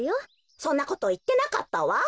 そんなこといってなかったわ。